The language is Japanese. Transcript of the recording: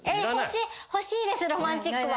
社長欲しいですロマンチック。